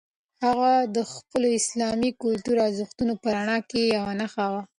هغه د خپلو اسلامي او کلتوري ارزښتونو په رڼا کې یوه نښه وه.